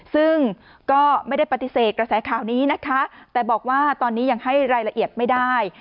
ซึ่งก็ไม่ได้ปฏิเสธกระแสข่าวนี้นะคะแต่บอกว่าตอนนี้ยังให้รายละเอียดไม่ได้